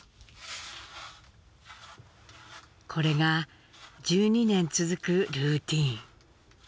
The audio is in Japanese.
これが１２年続くルーティーン。